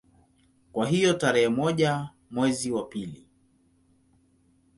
Kwa hiyo tarehe moja mwezi wa pili